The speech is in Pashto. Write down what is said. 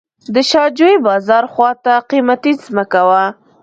د شاه جوی بازار خواته قیمتي ځمکه وه.